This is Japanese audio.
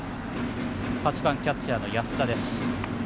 ８番、キャッチャーの安田です。